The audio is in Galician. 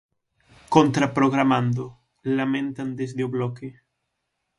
Contraprogramando, lamentan desde o Bloque.